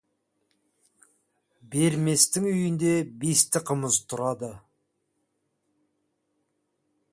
Берместің үйінде бесті қымыз тұрады.